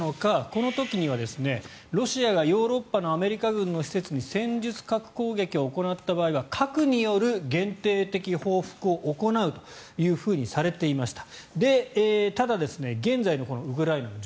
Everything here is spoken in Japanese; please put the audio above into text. この時はロシアがヨーロッパのアメリカ軍の施設に戦術核攻撃を行った場合は核による限定的報復を行うとされていました。